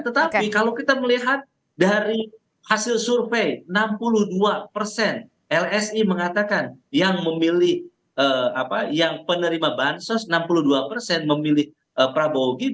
tetapi kalau kita melihat dari hasil survei enam puluh dua persen lsi mengatakan yang memilih apa yang penerima bansos enam puluh dua persen memilih prabowo gibran